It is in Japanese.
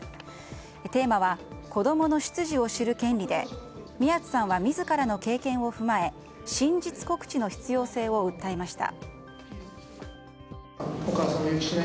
テーマは子供の出自を知る権利で宮津さんは自らの経験を踏まえ真実告知の必要性を訴えました。